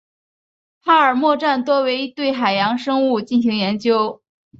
帕尔默站多为对海洋生物进行研究。